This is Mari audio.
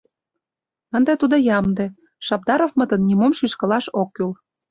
Ынде тудо ямде, Шабдаровмытыным нимом шӱшкылаш ок кӱл.